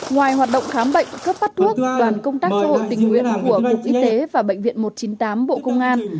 ngoài hoạt động khám bệnh cấp bắt thuốc toàn công tác cho hội tình nguyện của bộ y tế và bệnh viện một trăm chín mươi tám bộ công an